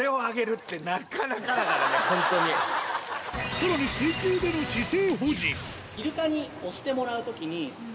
さらに水中での姿勢